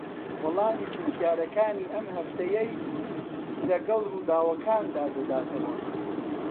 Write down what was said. وەڵامی پرسیارەکانی ئەم هەفتەیەی لەگەڵ ڕووداوەکاندا دەداتەوە